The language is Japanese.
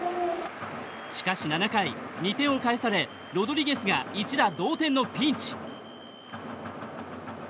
しかし７回、２点を返されロドリゲスが一打同点のピンチ。